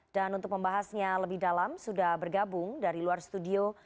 dan untuk membahasnya lebih dalam sudah bergabung dari luar studio